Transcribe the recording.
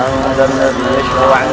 ramadhan pun dalamah jadi kebijakanjohnson